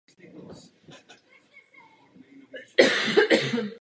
Během tohoto období zabily německé jednotky desetitisíce nevinných civilistů.